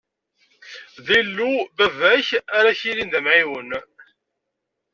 D Illu n baba-k ara k-yilin d Amɛiwen.